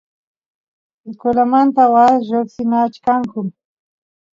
escuelamanta waas lloqsinachkanku